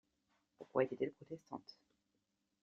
Pourquoi était-elle protestante?